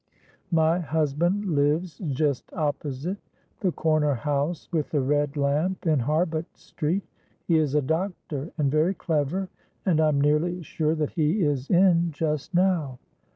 "My husband lives just opposite the corner house with the red lamp in Harbut Street. He is a doctor and very clever, and I am nearly sure that he is in just now."